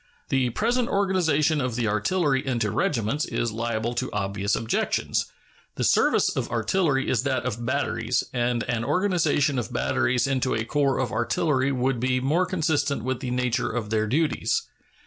The present organization of the artillery into regiments is liable to obvious objections. The service of artillery is that of batteries, and an organization of batteries into a corps of artillery would be more consistent with the nature of their duties.